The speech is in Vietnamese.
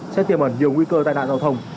sẽ tiềm ẩn nhiều nguy cơ tai nạn giao thông